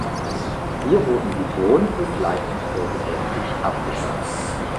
Hier wurden die Grund- und Leistungskurse gänzlich abgeschafft.